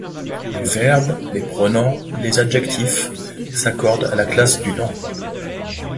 Les verbes, les pronoms, les adjectifs s'accordent à la classe du nom.